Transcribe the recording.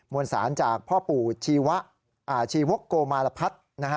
มวลศาลจากพ่อปู่ชีวกโกมาลพัฒน์